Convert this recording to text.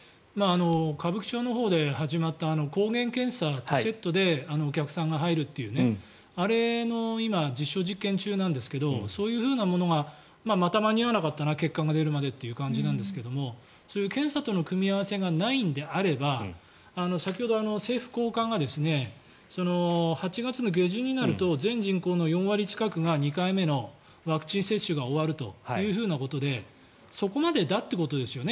歌舞伎町のほうで始まった抗原検査とセットでお客さんが入るというあれの実証実験中なんですけどそういうふうなものがまた間に合わなかったな結果が出るまでにという感じですがそういう検査との組み合わせがないのであれば先ほど政府高官が８月下旬になると全人口の４割近くが２回目のワクチン接種が終わるというふうなことでそこまでだということですよね。